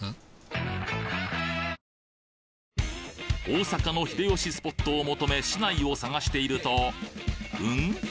大阪の秀吉スポットを求め市内を探しているとうん？